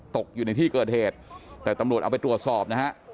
ตกอยู่ในที่เกิดเหตุแต่ตำรวจเอาไปตรวจสอบนะฮะ